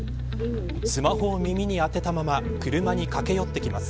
スマホを耳に当てたまま車に駆け寄ってきます。